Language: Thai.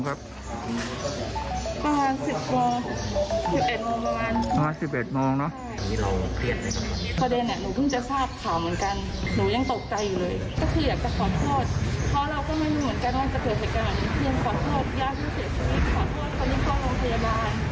เพราะเราก็ไม่เหมือนกันว่าจะเกิดเหตุการณ์นี้เพียงขอโทษย่างผู้เสียชีวิตขอโทษคนที่เข้าโรงพยาบาล